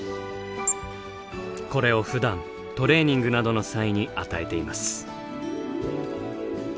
これをふだんトレーニングなどの際に与えています。